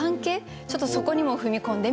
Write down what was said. ちょっとそこにも踏み込んでみました。